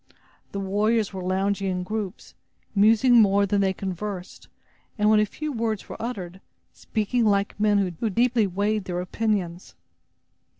The warriors were lounging in groups, musing more than they conversed and when a few words were uttered, speaking like men who deeply weighed their opinions.